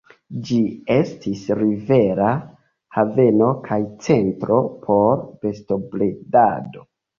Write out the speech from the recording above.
Ĝi estis rivera haveno kaj centro por bestobredado.